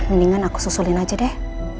mendingan aku susulin aja deh